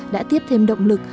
đã tiếp thêm động lực